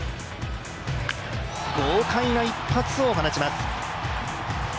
豪快な一発を放ちます。